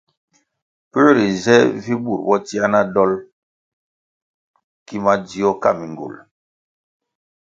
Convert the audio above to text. Pue rinze vi burʼ bo tsie na dolʼ ki madzio ka ngywulʼ?